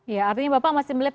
ya artinya bapak masih melihat